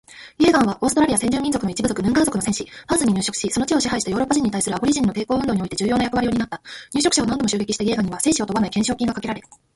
イェーガンは、オーストラリア先住民族の一部族ヌンガー族の戦士。パースに入植しその地を支配したヨーロッパ人に対するアボリジニの抵抗運動において重要な役割を担った。入植者を何度も襲撃したイェーガンには生死を問わない懸賞金がかけられ